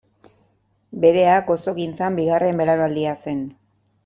Berea gozogintzan bigarren belaunaldia zen.